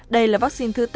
đây là vaccine thứ ba